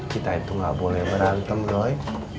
kita itu nggak boleh berantem loh